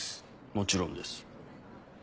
もちろんです。